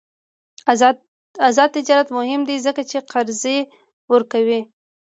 آزاد تجارت مهم دی ځکه چې قرضې ورکوي.